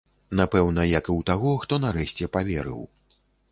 Напэўна, як і ў таго, хто нарэшце паверыў.